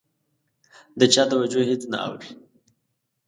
د چا توجه هېڅ نه اوړي.